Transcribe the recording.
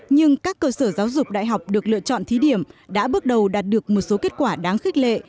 nhưng các cơ sở giáo dục đại học được lựa chọn thí điểm đã bước đầu đạt được một số kết quả đáng khích lệ